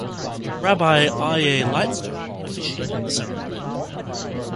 Rabbi Aryeh Lightstone officiated at the ceremony.